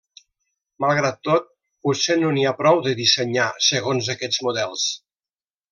Malgrat tot, potser no n’hi ha prou de dissenyar segons aquests models.